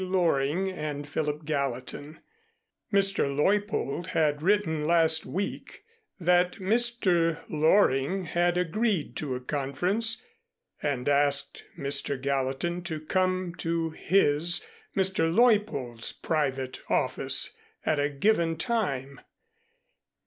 Loring and Philip Gallatin. Mr. Leuppold had written last week that Mr. Loring had agreed to a conference and asked Mr. Gallatin to come to his, Mr. Leuppold's, private office at a given time.